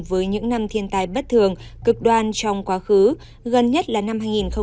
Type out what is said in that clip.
với những năm thiên tài bất thường cực đoan trong quá khứ gần nhất là năm hai nghìn một mươi tám